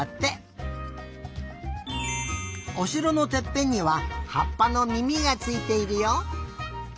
おしろのてっぺんにははっぱのみみがついているよ。